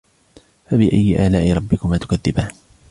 فَبِأَيِّ آلَاءِ رَبِّكُمَا تُكَذِّبَانِ